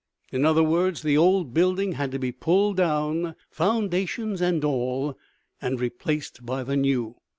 In other words, the old building had to be pulled down, foundations and all, and replaced by the new.